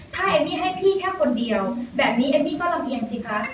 ถ้าเอมมี่ให้พี่แค่คนเดียวแบบนี้เอมมี่ก็ลำเอียงสิคะ